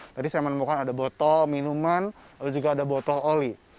tadi saya menemukan ada botol minuman lalu juga ada botol oli